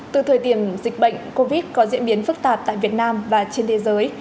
từ thời điểm dịch bệnh covid có diễn biến phức tạp tại việt nam và trên thế giới